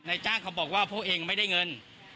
จ้างเขาบอกว่าพวกเองไม่ได้เงิน